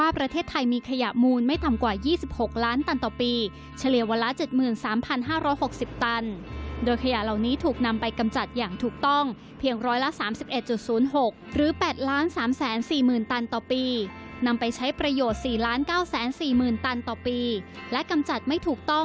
เป็น๗ล้าน๑แสนตันต่อปี